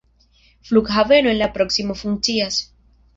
Flughaveno en la proksimo funkcias.